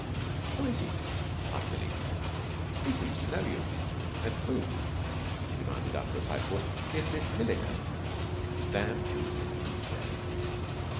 "Who is he?" asked Billie. "He seemed to know you? And who," she demanded after a slight pause, "is Miss Milliken?" Sam drew a deep breath.